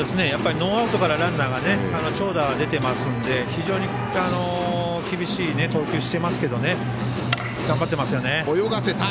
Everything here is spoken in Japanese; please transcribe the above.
ノーアウトからランナー長打が出ていますので非常に厳しい投球をしていますが頑張ってますよね。